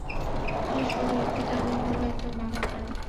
বিশ্বাস কর, এর থেকে অনেক ভালো একটা বাগাতে পারবো।